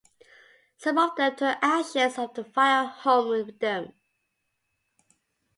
Some of them took ashes of the fire home with them.